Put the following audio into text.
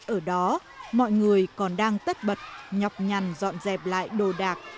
ở đó mọi người còn đang tất bật nhọc nhằn dọn dẹp lại đồ đạc